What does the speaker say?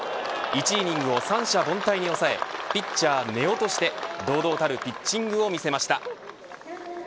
１イニングを三者凡退で抑えピッチャー根尾として堂々たるピッチングを見せました。